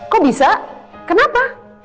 kok bisa kenapa